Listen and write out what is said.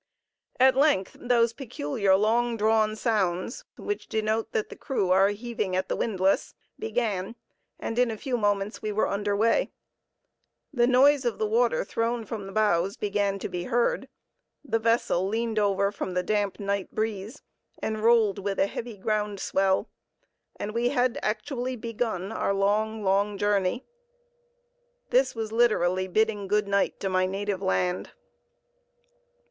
At length those peculiar, long drawn sounds, which denote that the crew are heaving at the windlass, began, and in a few moments we were under way. The noise of the water thrown from the bows began to be heard, the vessel leaned over from the damp night breeze, and rolled with a heavy ground swell, and we had actually begun our long, long journey. This was literally bidding "good night" to my native land.